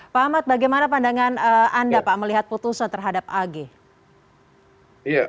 pak ahmad bagaimana pandangan anda melihat putusan terhadap agh